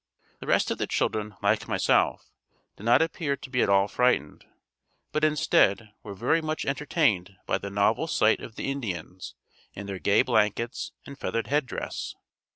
The rest of the children, like myself, did not appear to be at all frightened, but instead, were very much entertained by the novel sight of the Indians in their gay blankets and feathered head dress.